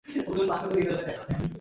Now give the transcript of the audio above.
আরে, গফুর মিয়া, এতো রাতে?